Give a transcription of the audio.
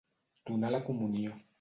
Donar la comunió.